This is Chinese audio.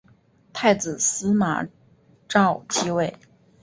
太子司马绍即位。